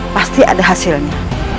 pasti ada hasilnya